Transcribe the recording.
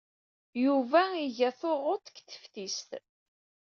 Yuba iga tuɣudt deg teftist.